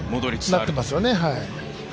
なってますよね。